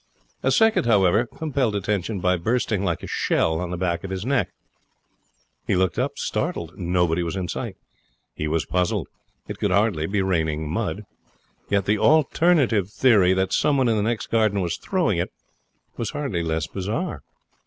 A second, however, compelled attention by bursting like a shell on the back of his neck. He looked up, startled. Nobody was in sight. He was puzzled. It could hardly be raining mud. Yet the alternative theory, that someone in the next garden was throwing it, was hardly less bizarre.